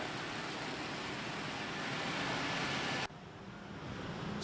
sementara itu halte bus transjakarta kampung melayu